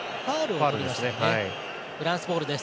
フランスボールです。